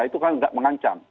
itu kan tidak mengancam